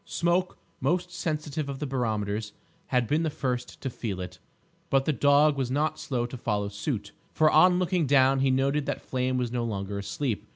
Smoke, most sensitive of barometers, had been the first to feel it, but the dog was not slow to follow suit, for on looking down he noted that Flame was no longer asleep.